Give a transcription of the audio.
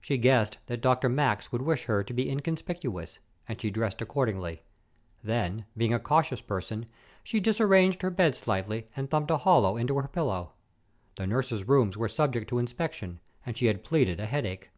She guessed that Dr. Max would wish her to be inconspicuous, and she dressed accordingly. Then, being a cautious person, she disarranged her bed slightly and thumped a hollow into her pillow. The nurses' rooms were subject to inspection, and she had pleaded a headache.